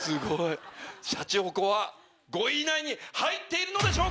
シャチホコは５位以内に入っているのでしょうか